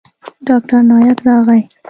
ډاکتر نايک راغى.